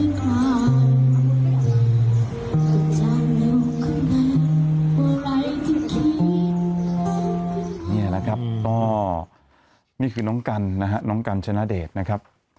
นี่แหละครับก็นี่คือน้องกันนะฮะน้องกัญชนะเดชนะครับ